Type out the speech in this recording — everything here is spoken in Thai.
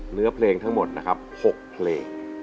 เนื้อเพลงทั้งหมดนะครับ๖เพลง